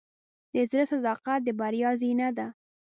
د زړۀ صداقت د بریا زینه ده.